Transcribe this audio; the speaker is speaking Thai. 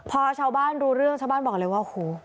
พอชาวบ้านรู้เรื่องชาวบ้านบอกเลยว่าโอ้โห